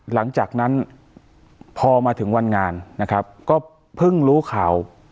หลังจากนั้นพอมาถึงวันงานนะครับก็เพิ่งรู้ข่าว